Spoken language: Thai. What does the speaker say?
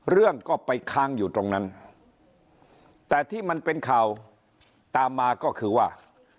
เรื่องก็ไปค้างอยู่ตรงนั้นแต่ที่มันเป็นข่าวตามมาก็คือว่า